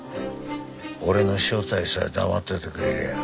俺の正体さえ黙っててくれりゃ。